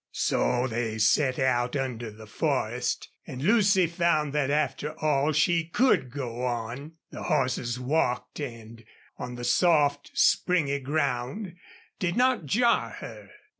So they set out into the forest. And Lucy found that after all she could go on. The horses walked and on the soft, springy ground did not jar her.